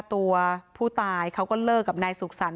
ตัวผู้ตายเขาก็เลิกกับนายสุขสรรค